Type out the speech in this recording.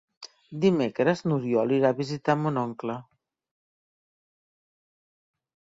Dimecres n'Oriol irà a visitar mon oncle.